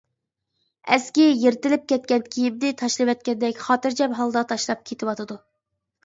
ئەسكى يىرتىلىپ كەتكەن كىيىمنى تاشلىۋەتكەندەك خاتىرجەم ھالدا تاشلاپ كېتىۋاتىدۇ.